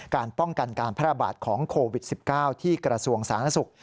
การป้องกันการพยาบาลของโควิด๑๙ที่กระทรวงศาลนสุข